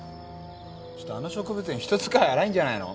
ちょっとあの植物園人使い荒いんじゃないの？